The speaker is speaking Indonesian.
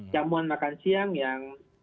jamuan makan siang yang